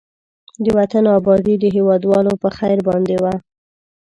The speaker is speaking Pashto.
د وطن آبادي د هېوادوالو په خير باندې ده.